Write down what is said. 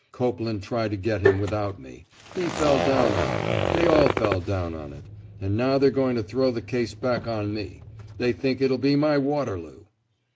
Copeland tried to get him without me. He fell down on it. They all fell down on it. And now they're going to throw the case back on me. They think it'll be my Waterloo."